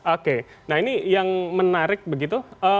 oke nah ini yang menarik begitu